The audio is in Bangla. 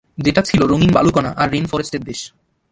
যেটা ছিল রঙিন বালুকণা আর রেইনফরেস্টের দেশ।